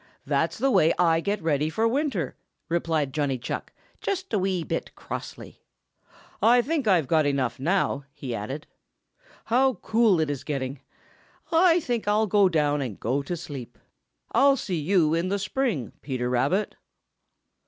That's the way I get ready for winter," replied Johnny Chuck, just a wee bit crossly. "I think I've got enough now," he added. "How cool it is getting! I think I'll go down and go to sleep. I'll see you in the spring, Peter Rabbit."